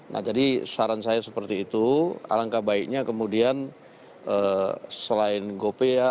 nah jadi saran saya seperti itu alangkah baiknya kemudian selain gopay ya